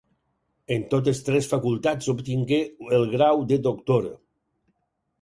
En totes tres facultats obtingué el grau de doctor.